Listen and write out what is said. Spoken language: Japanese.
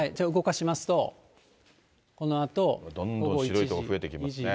動かしますと、このあと。どんどん白い所が増えてきますね。